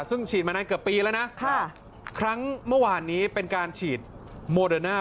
ซึ่งฉีดมานานเกือบปีแล้วนะครั้งเมื่อวานนี้เป็นการฉีดโมเดอร์น่า